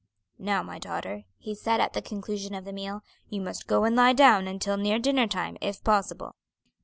"Now my daughter," he said, at the conclusion of the meal, "you must go and lie down until near dinner time, if possible."